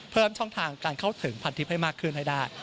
เพิ่มช่องทางการเข้าถึงพันทิพย์ให้มากขึ้นให้ได้